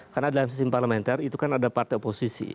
karena dalam sistem parlementer itu kan ada partai oposisi